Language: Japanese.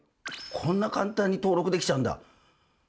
こんな簡単に登録できちゃうんだ。